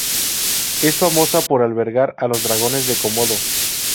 Es famosa por albergar a los dragones de Komodo.